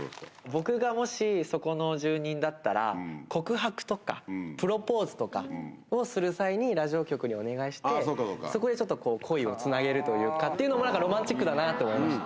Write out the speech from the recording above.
僕がもし、そこの住人だったら、告白とか、プロポーズとかをする際にラジオ局にお願いして、そこでちょっと、恋をつなげるというのは、ロマンチックだなと思いました。